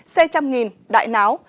xe trăm nghìn đại náo